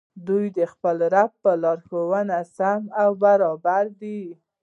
دوى د خپل رب په لارښووني سم او برابر دي